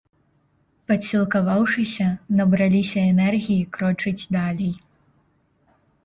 Падсілкаваўшыся, набраліся энергіі крочыць далей.